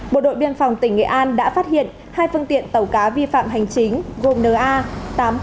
bộ đội biên phòng tỉnh nghệ an đã phát hiện hai phương tiện tàu cá vi phạm hành chính gồm n a tám mươi nghìn một trăm sáu mươi chín